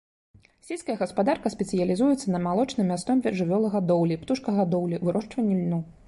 Сельская гаспадарка спецыялізуецца на малочна-мясной жывёлагадоўлі, птушкагадоўлі, вырошчванні льну.